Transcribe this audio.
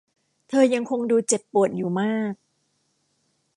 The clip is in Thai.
เธอยังคงดูเจ็บปวดอยู่มาก